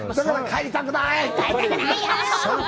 帰りたくないよー！